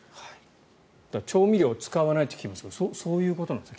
調味料を使わないというのもそういうことなんですね。